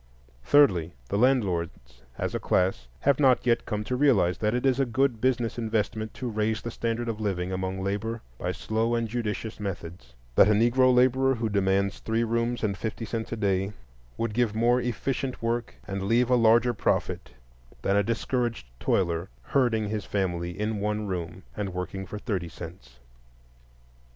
Thirdly, the landlords as a class have not yet come to realize that it is a good business investment to raise the standard of living among labor by slow and judicious methods; that a Negro laborer who demands three rooms and fifty cents a day would give more efficient work and leave a larger profit than a discouraged toiler herding his family in one room and working for thirty cents.